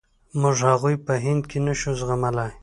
موږ هغوی په هند کې نشو زغملای.